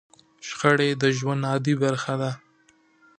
شخړې د ژوند عادي برخه ده.